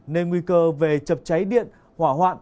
nên nguy cơ về chập cháy điện hỏa hoạn